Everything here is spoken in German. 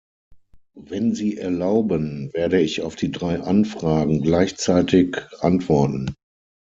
Wenn Sie erlauben, werde ich auf die drei Anfragen gleichzeitig antworten.